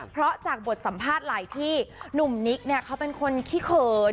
เพราะจากบทสัมภาษณ์หลายที่หนุ่มนิกเนี่ยเขาเป็นคนขี้เขิน